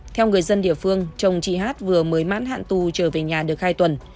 theo người dân địa phương chồng chị hát vừa mới mãn hạn tù trở về nhà được hai tuần